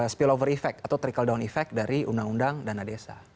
spillover effect atau trickle down effect dari undang undang dana desa